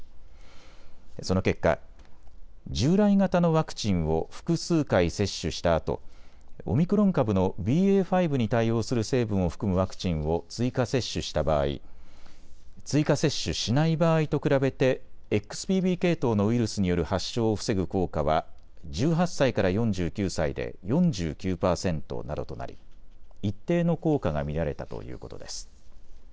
その結果、従来型のワクチンを複数回接種したあとオミクロン株のＢＡ．５に対応する成分を含むワクチンを追加接種した場合、追加接種しない場合と比べてＸＢＢ系統のウイルスによる発症を防ぐ効果は１８歳から４９歳で４９％などとなり一定の効果が見られたということです。